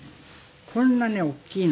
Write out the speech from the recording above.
こんなね大きいの。